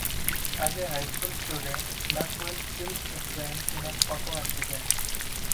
As a high school student, Blackwell kills a friend in an auto accident.